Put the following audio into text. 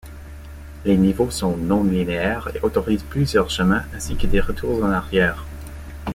Les niveaux sont non-linéaires et autorisent plusieurs chemins ainsi que des retours en arrière.